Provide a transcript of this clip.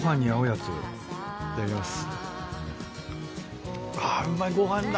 いただきます。